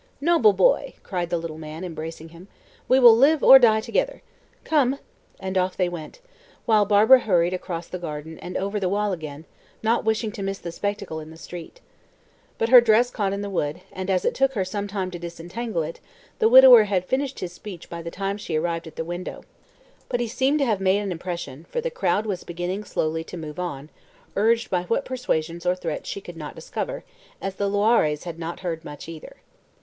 "Noble boy!" cried the little man, embracing him. "We will live or die together. Come!" And off they went, while Barbara hurried across the garden and over the wall again, not wishing to miss the spectacle in the street. But her dress caught in the wood, and, as it took her some time to disentangle it, the widower had finished his speech by the time she arrived at the window. But he seemed to have made an impression, for the crowd was beginning slowly to move on, urged by what persuasions or threats she could not discover, as the Loirés had not heard much either.